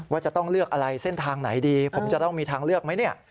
จะต้องเลือกอะไรเส้นทางไหนดีผมจะต้องมีทางเลือกไหมเนี่ย